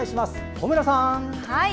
小村さん。